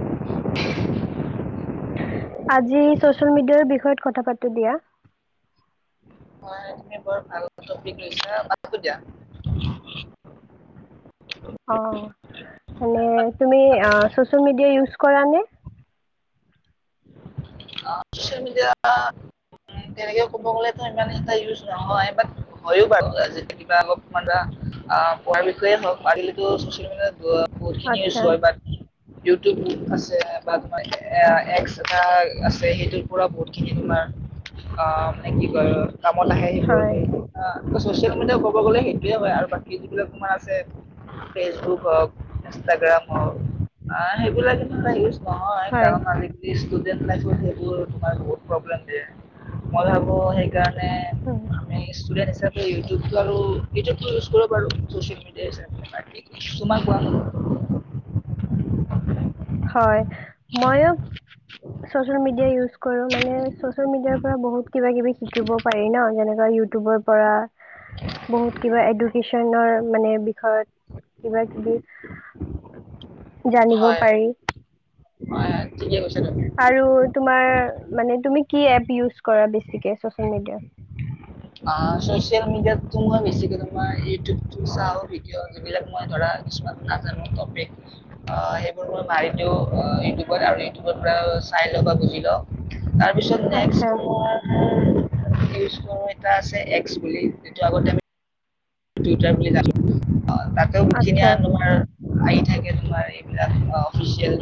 [unintelligible] আজি চ'চিয়েল মিডিয়াৰ বিষয়ত কথা পাতো দিয়া। হয় এই খিনি বৰ ভাল বতৰ বুলি কৈইছা হ'ব দিয়া অ' মানে তুমি পাতো আ' চ'চিয়েল মিডিয়া ইউজ কৰা নে? তেনে ক'ব গ'লে ইমান এট ইউজ নহয় বাত হয় ও বা কিবা ইমান ধৰি কোৱা বিষয়ে হ আচ্ছা ওক [unintelligible] ইউটিউবত আছে বা এপ এটা আছে। সেইটোৰ পৰা বহুত খিনি তোমাৰ আ' মানে কি ক'য় কামত সেইবোৰ হয় হা ছচিয়েল মিডিয়া কব গ'লে সেইটোয়ে হয় আৰু বাকী যিবিলাক তাৰ আছে ফেচবুক হওক ইনষ্টাগ্ৰাম হওক আহ সেইবিলাক কিন্ত এটা ইউজ নহয় এই হয় কাৰণ আজি দিছ [unintelligible] সেইবোৰ তোমাক বহুত প্ৰব্লেম দিযে মই ভাবো সেইকাৰণে হ ষ্টুডেণ্ট হিচাপে ইউটউবটো আৰু ইউটিউবটো ইউজ কৰিব আৰু চচিয়েল মিডিয়া হিচাপে তোমাক কোৱা নহল ম [inaudible] জানিব হয় পাৰি। আহ ঠিকে কৈছা তুমি আৰু তোমাৰ মানে তুমি কি এপ ইজ কৰা বেছিকে চছিয়েল মিডিয়াৰ? অ', চছিয়েল মিডিয় তম বেছিকে তোমাৰ এই ইউিউব ত চাওঁ ভিডিঅ' যবিলাক মই ধৰা কিছুমান নাজানো টপিক আহ সেইবোৰ মই মাৰি দিও ইউটিউবত আৰু ইউটিউবৰ পৰা চাই লওঁ বা বুজি লওঁ। তাৰপিছত নেক্সট আচ্ছা তোমাৰ [unintelligible] এটা আছে এক্স বুলি যিটো আগতে আমি টুইটাৰ বুলি জানো। অ', তাতেও সখিনি আচ্ছা আন তোমাৰ আহি থাকে তোমাৰ এইবিলাক [unintelligible] যুনবোৰ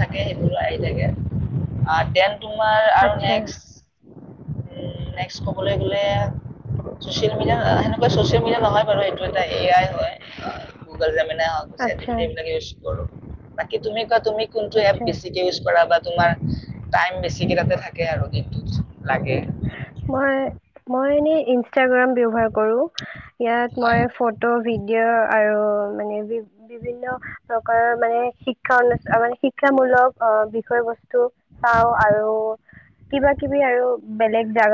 থাকে সেইবো আহি থাকে তোমাৰ আৰু আচ্ছা নেক্স নেক্সট ক'বলৈ গ'লে চিয়েল মিডিয়া সেনেকুৱা চচিয়েল মিডিয়া নহয় বাৰু, এইটো এটা এ আই হয়, গুগ আচ্ছা এইবিলাক ইউজ কৰো বাকী তুমি। তুমি কোনটো এপ আচ্ছা। বেছিকে ইউজ কৰা বা তোমাৰ টাইম বেছি কেইটাতে থাকে আৰু দিনটোত লাগে মই মই এনেই ইষ্টাগ্ৰাম কৰো, ইয়াত হয়। মই ফটো ভিডিঅ আৰু মানে বি বিভিন্ন প্ৰকাৰৰ মানে শিক্ষা অনু মানে শিক্ষামূলক বিষয় বস্তু চাওঁ আৰু কিবা কিবি আৰু বেলেগ জা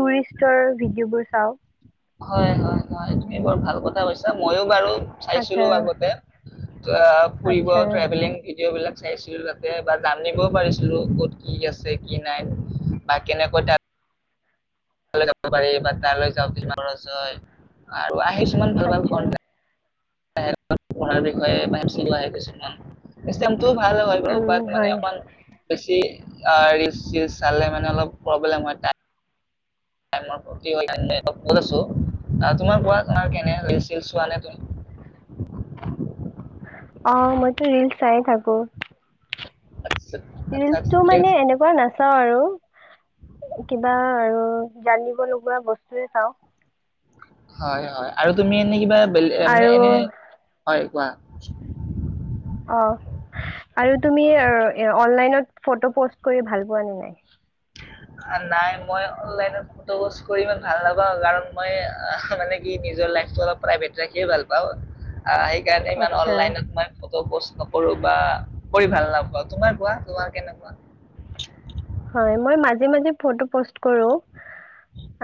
টুৰিষ্টৰ ভিডিঅ' বোৰ চাওঁ। হয় হয় হয় তুমি বৰ ভাল কথা কৈছা মইো বাৰু চাইছিলো আচ্ছা আগতে [unintelligible] ফুৰিব আচ্ছা ট্ৰেভেলিং ভিডিঅ' বিলাক চাইছিলো তাতে বা জানিবও পাৰিছিলো ক'ত কি আছে কি নাই বা কেনেকৈ তাত যাব পাৰি বা তালৈ যাওঁ কি খৰচ হয়। আৰু ছুমান ভালবাল আচ্ছা কট পঢ়াৰ বিষয়ে ব আহে কিছুমান [unintelligible] ভাল হয় উম বাট হয় মানে অকণ বেছি আ ৰিলচ চিলচ চালে মানে অলপ প্ৰব্লেম হয় টা আছোঁ, আহ তোমাৰ কোৱা? তোমাৰ কেনে ৰিলচ চিলচ চোৱা নে তুমি? অ মইটো ৰিলচ চাইয়ে থাকো। আচ্ছা আচ্ছা ৰিলচটো ঠিকে মানে আছে এনেকুৱা নাচ চাওঁ আৰু, কিবা আৰু জানিব লগীয়া বস্তুৱে চাওঁ। হয়, হয়, আৰু তুমি এনেই কিবা বেলে মানে আৰু এনে, হয়। কোৱা। অ, আৰু তুমি আ এ অনলাইনত ফটো প'ষ্ট কৰি ভাল পোৱা নে নাই? নাই মই অনলাইনত ফটো পৌষ্ট কৰি ইমান ভাল নাপাওঁ। কাৰণ মই আহ মানে কি নিজৰ লাইফটো অলপ প্ৰাইভেট ৰাখিয়ে ভাল পাওঁ। আহ সেইকাৰণে ইমান আচ্ছা অনলাইনত মই ফটো পোষ্ট নকৰো, বা কৰি ভাল নাপাও। তোমাৰ কোৱা, তোমাৰ কেনেকুৱা? হয়, মই মাজে মাজে ফটো পৌষ্ট কৰোঁ।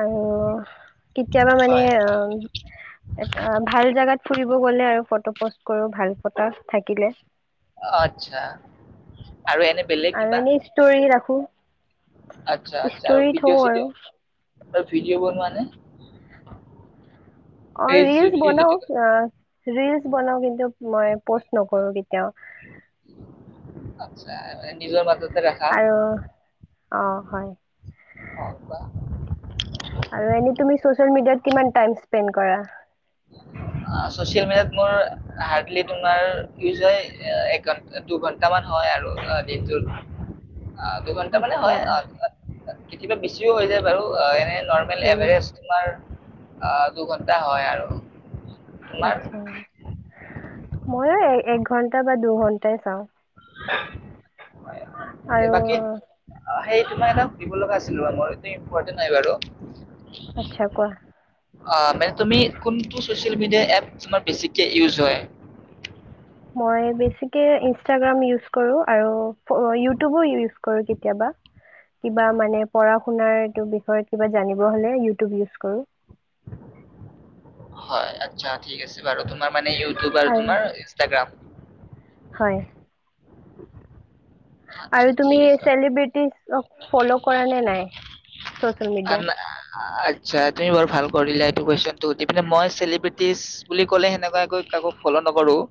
আৰু কেতিয়াবা মানে হয় অ এটা ভাল জেগাত ফুৰিব গ'লে আৰু ফটো পষ্ট কৰো, ভাল ফটো থাকিলে। আচ্ছা, আৰু এনে বেলেগ আৰু কিবা? এনেই ষ্টৰি ৰাখো আচ্ছা আচ্ছা আৰু ষ্টৰি থওঁ ভিডিঅ' আৰু। চিডিঅ' আৰু ভিডিঅ' বনোৱা নে? অ ৰিলচ ৰীলচ বুলি বনাও, যিটো কয় অ ৰিলচ বনাও কিন্তু মই পৌষ্ট নকৰোঁ কেতিয়াও। আচ্ছা, এ নিজৰ মাজত। আৰু, অ হয়। [unintelligible] আৰু এনে তুমি ছচিয়েল মেডিয়াত কিমান টাইম স্পেন্দ কৰা? আ, ছচিয়েল মিডিয়াত মোৰ, হাৰ্ডলি তোমাৰ ইউজ হয় এক ঘন, দুঘন্টামান হয় আৰু দিনটোত। অ' দুঘণ্টা মানে আচ্ছা হয়, অ' অ' কেতিয়াবা বেছিও হৈ যায় বাৰু, অ' এনে নৰ্মেল উম এভাৰেষ্ট তোমাৰ আ দুঘণ্টা হয় আৰু। তোমাৰ আত্ছা। ময়ো এ এক ঘন্টা বা দুঘন্টাই চাওঁ। হয়-হয়, আৰু বাকী সেই তোমাক এটা সুধিব লগা আছিল। লোৱা মই শোত নাই বাৰু। আচ্ছা, কোৱা। অ মে তুমি, কোনটো ছচিয়েল মেডিয়া এপ তোমাৰ বেছিকে ইউজ হয়? মই বেছিকে ইনষ্টাগ্ৰাম ইউজ কৰোঁ আৰু ইউটিউবো ইউজ কৰোঁ কেতিয়াবা, কিবা মানে পঢ়া-শুনাৰ এইটো বিষয়ত কিবা জানিব হ'লে ইউটিউব ইউজ কৰোঁ। হয়, আচ্ছা ঠিক আছে বাৰু তুম তোমাৰ মানে ইউটিউব আৰু তোমাৰ ইনষ্টাগ্ৰাম। হয়। আচ্ছা আৰু তুমি ঠিক আছে চেলিব্ৰিটি [unintelligible] ফল' কৰা নে নাই, চচিয়েল মিডিয়া? আন- আচ্ছা তুমি বৰ ভাল কৰিলা এইটো কুৱেশ্চনটো সুধি পিনে। মই চেলিব্ৰিটিজ বুলি ক'লে, সেনেকুৱাকৈ কাকো ফ'ল' নকৰোঁ।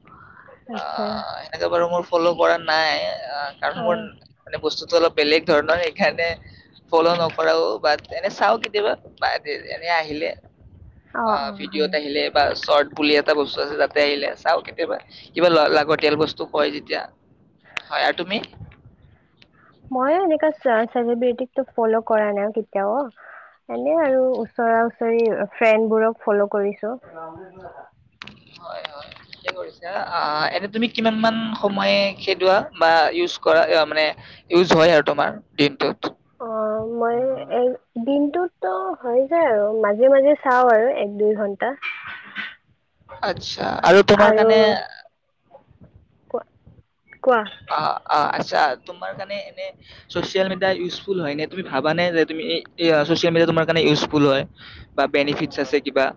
আচ্ছা অ' এনেকে বাৰু মোৰ। ফ'ল' কৰা নাই। অ', কাৰণ মোৰ অঁ বস্তুটো অলপ বেলেগ। ধৰণৰ সেইকাৰণে ফল' নকৰাও বাট, এনে চাও কেতিয়াবা, বাট। এনে আহিলে বা অঁ অঁ ভিডিঅ'ত হয় আহিলে বা শৰ্ট। পুলি এটা বস্তু আছে, তাতে আহিলে চাওঁ কেতিয়াবা, কিবা লাগতিয়াল বস্তু হয় যেতিয়া, হয় আৰু তুমি? এনেকা চেলেব্ৰটিক টো ফ'ল কৰা নাই কেতিয়াও, এনে আৰু উচৰা উচৰি ফ্ৰেণ্ডবোৰক ফ'ল কৰিছ। [inaudible] হয়, হয়, ঠিকে কৰিছা। অ', এনে তুমি কিমান মান সময়ে খেদোৱা বা ইউজ কৰা? মানে, ইউজ হয় আৰু তোমাৰ, দিনটোত। অ' মই এ দিনটোতো হৈ যায় আৰু মাজে মাজে চাও আৰু এক দুই ঘন্টা। আচ্ছা আৰু তোমাৰ কাৰণে। কোৱা অ', অ', আচ্ছা। তোমাৰ কাৰণে এনে ছচিয়েল মিডিয়া ইউজফুল হয় নে? তুমি ভাবা নে, যে তুমি এই এই ছচিয়েল মিডিয়া তোমাৰ কাৰণে ইউজফুল হয়। বা বেনিফিটছ আছে কিবা।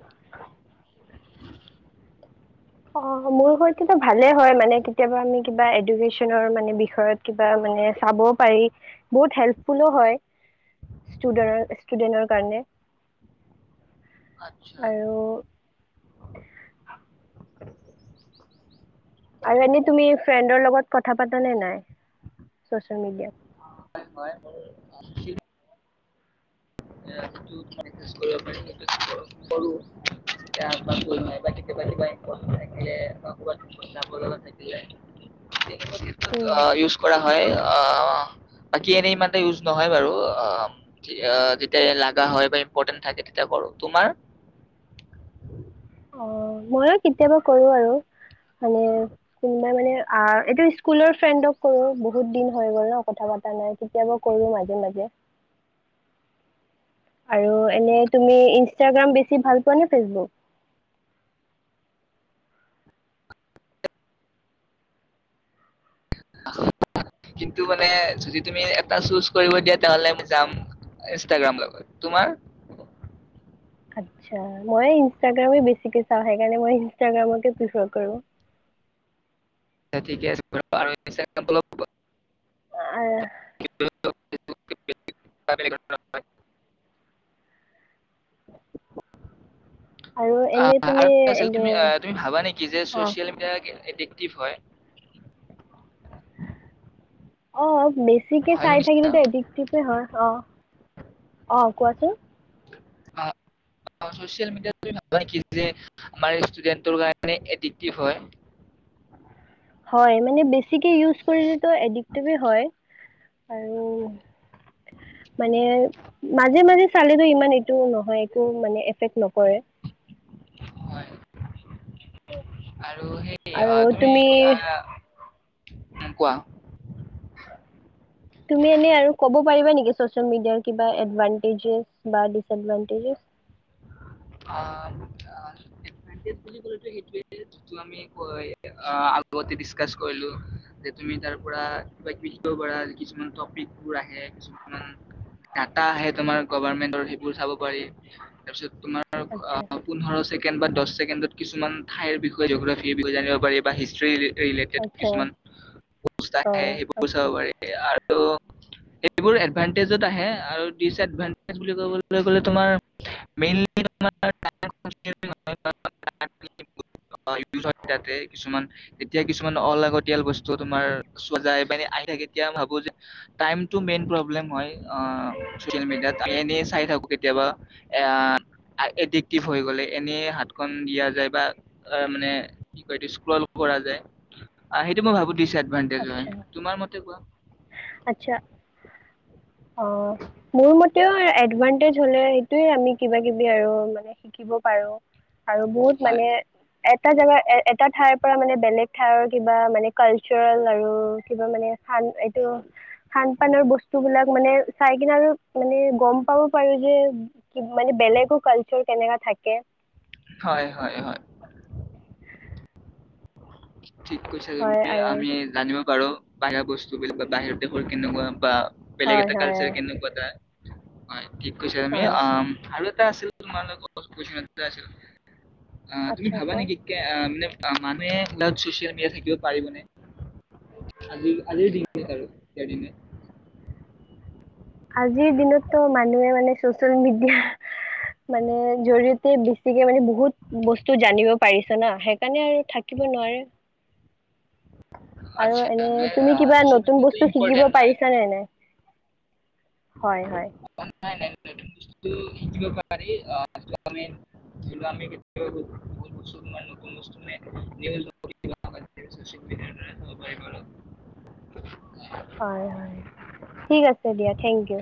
অ', মোৰ ঘৰত কিন্তু ভালেই হয়, মানে কেতিয়াবা আমি কিবা, আমি এডুকেশ্বনৰ মানে বিষয়ত কিবা মানে চাব পাৰি। বহুত হেল্পফুলো হয় ষ্টুদাৰ ষ্টুডেণ্টৰ কাৰণে। আচ্ছা [unintelligible] আৰু আৰু এনে তুমি ফ্ৰেণ্ডৰ লগত কথা পাতা নে নাই, চচিয়েল মিডিয়াত? হয়, হয় [unintelligible] [inaudible] কৰিব পাৰি কৰো নাই বা কেতিয়াবা কিবা ইম্পৰ্টেণ্ট থাকিলে বা ক'ৰবাতা যাব লগা থাকিলে। ক্ষেত্ৰত উম, অ', ইউজ কৰা হয় আচ্ছা। অ'। বাকী এনে ইমানটা ইউজ নহয় বাৰু অ', [unintelligible] [unintelligible] লাগা হয় বা ইম্পৰ্টেণ্ট থাকে তেতিয়া কৰো। তোমাৰ? অ', মইও কেতিয়াবা কৰো আৰু মানে, কোনোবাই মানে, অ', এইটো স্কুলৰ ফ্ৰেণ্ডক কৰো বহুত দিন হৈ গল ন' কথা পাতা নাই কেতিয়াবা কৰো মাজে মাজে। আৰু এনে তুমি ইনষ্টাগ্ৰাম বেছি ভাল পোৱানে ফেচবুক? [unintelligible] কিন্তু মানে যদি তুমি এটা চুজ কৰিব দিয়া তেনেহলে মই যাম ইনষ্টাগ্ৰাম লগত। তোমাৰ? আচ্ছা, মই ইনষ্টাগ্ৰামে বেছিকে চাওঁ সেইকাৰনে, মই ইনষ্টাগ্ৰামকে প্ৰিফাৰ কৰো। ঠিকে আছে বাৰু ইনষ্টাগ্ৰামটো অলপ [inaudible] অ' [inaudible] আহ আৰু আৰু এনে তুমি আছিল এইটো তুমি তুমি ভাবা নেকি যে অ চচিয়েল মিডিয়া [unintelligible] এক্টিভ হয়। অ' বেছিকে হয় চাই থাকিলো শুনিছা এডিক্টেভে হয় অ অ কোৱাচোন চছিয়েল মিডিয়াতম ভাবা নিকি যে আমাৰ ষ্টুডেণ্টৰ কাৰণে এডিক্টিভ হয় হয় মানে বেছিকে ইউজ কৰিলে এডিক্টেভেই হয় আৰু মানে মাজে মাজে চালে ইমান এইটো নহয় একো মানে এফেক্ট নকৰে হয় আৰু সেই তুমি আহ হুম কোৱা চছিয়েল মিডিয়াৰ কিবা এডভাণ্টেজে বা ডিচএডভাণ্টেজে অ অ ডিফৰাইণ্টিভ বোলে কলেটো সেইটুয়ে যিটো আমি ক আগতে ডিস্কাশ কৰিলো যে তুমি তাৰ পৰা কিবা কিবি শিকিব পাৰা কিছুমান টপিকবোৰ আহে কিছুমান ডাটা আহে তোমাৰ গভমেন্টৰ সেইবোৰ চাব পাৰি তাৰপিছত আৰু ক অ আচ্ছা পোন্ধৰছেকেণ্ড ছেকেণ্ড বা দহ ছেকেণ্ডত কিছু ঠাই বিষয়ে জ'গ্ৰাফ বিষয়ে জানিব পাৰি বা হিষ্ট্ৰ্ৰী ৰিলে ৰিলেটেড আচ্ছা কিছুমান অ আহে সেইবোৰ চাব আচ্ছা পাৰি আৰু ত' এইবোৰ এডভানটেজত আহে আৰু ডিচএডভানটেজ বুলি ক'বলৈ গলে তোমাৰেই মেইনলী তিয়া কিছুমান অলাগতয়াল বস্তু তোমাৰ চ ম আহি থাকে তেতিয়া ভাবো যে টাইমটো মেইন প্ৰব্লেম হয় অ চচিয় মিডিয়াত এনে চাই থাকো কেতিয়াবা এ [inaudible] এডিক্টিভ হৈ গলে এনেই হাতখনন দিয়া যায় বা মানে কি কয় এই স্ক্ৰল কৰা যায় সেইটো মই ভাবো দিছে হয় তোমাৰ মতে কোৱা আছা অ মোৰ মতেও এডভানটেজ হলে সেইটয়ে আমি কিবা কিবি আৰু মানে শিকিব পাৰো আৰু বহুত হয় মানে এটা জোগাৰ এটা ঠাইৰ পৰা মানে বেলেগ ঠাইৰ কিবা মানে কালচাৰেল আৰু কিবা মানে ত' খানপানৰ বস্তুবিলাক মানে চাই কিনে আৰু মানে গম পাব পাৰো যে মানে বেলেগো কালচাৰ কেনেকা থাকে হয় হয় হয় ঠিক কৈছো হয় তুমি আৰু আমি জানিব পাৰো বাহিৰা বস্তু বিলাক বা বাহিৰত দেশৰ কেনেকুৱা বা বেলেগ হয় এটা হয় কালচাৰ কেনেকুৱা তাৰ হয় ঠিক কৈছা তুমি হয় অ আৰু আছিল তোমালোকক আছিল অ তুমি আচ্ছা ভাবা কোৱা। নেকি অ মানে অ মানে ছ'চিয়েল মিডিয়া থাকিব পাৰিবনে আজি আজি দিন আৰু এৰি ন আজিৰ দিনতো মানুহে মানে চচিয়েল মিডিয়া মানে জৰিয়তে বেছিকে মানে বহুত বস্তু জানিব পাৰিছ ন সেইকাৰণে আৰু থাকিব নোৱাৰে আৰু আচ্ছা এনে মানে তুমি আ কিবা ছ'চিয়েল নতুন মিডিয়াটো বস্তু শিকিব ইম্পৰ্টেণ্ট হয়। পাৰিছানে নাই হয় হয় নাই নাই নাই নন বস্তুজিব পাৰি তমাৰ নত বস [unintelligible] অ পাই ব [unintelligible] হয় হয়। ঠিক আছে দিয়া থেংক ইউ।